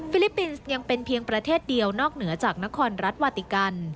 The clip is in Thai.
ลิปปินส์ยังเป็นเพียงประเทศเดียวนอกเหนือจากนครรัฐวาติกัน